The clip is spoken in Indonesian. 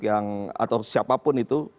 yang atau siapapun itu